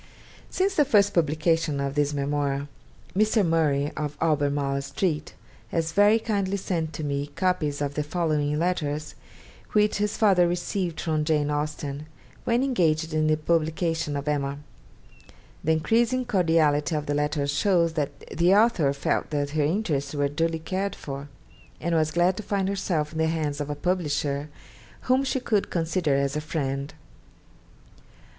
Since the first publication of this memoir, Mr. Murray of Albemarle Street has very kindly sent to me copies of the following letters, which his father received from Jane Austen, when engaged in the publication of 'Emma.' The increasing cordiality of the letters shows that the author felt that her interests were duly cared for, and was glad to find herself in the hands of a publisher whom she could consider as a friend.